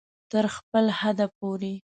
تر خپل حده پورې